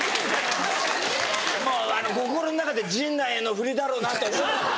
心の中で「陣内へのふりだろうな」と。